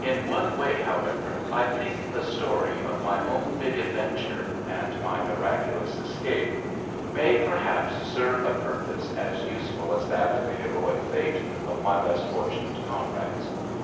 In one way, however, I think the story of my own "big adventure" and my miraculous escape may, perhaps, serve a purpose as useful as that of the heroic fate of my less fortunate comrades.